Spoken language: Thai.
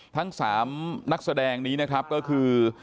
ทั้ง๓นักแสดงนี้นะครับก็คือ